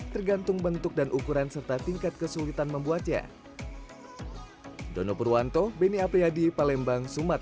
tergantung bentuk dan ukuran serta tingkat kesulitan membuatnya